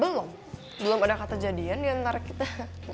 belum belum ada kata jadian ya ntar kita